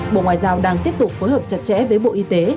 bộ ngoại giao đang tiếp tục phối hợp chặt chẽ với bộ y tế